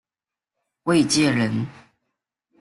卫玠人。